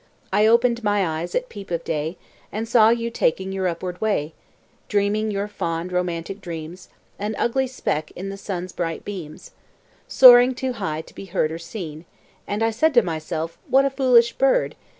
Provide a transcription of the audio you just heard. "I opened my eyes at peep of day And saw you taking your upward way, Dreaming your fond romantic dreams, An ugly speck in the sun's bright beams, Soaring too high to be seen or heard; And I said to myself: 'What a foolish bird!'